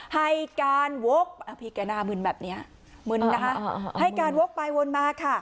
ให้การวกอภิกหน้ามึนแบบนี้มึนนะคะให้การวกไปวนมาค่ะ